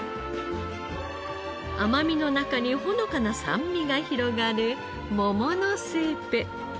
甘みの中にほのかな酸味が広がる桃のスープ。